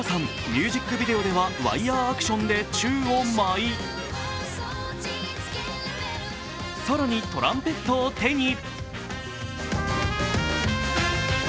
ミュージックビデオではワイヤーアクションで宙を舞い更にトランペットを手に。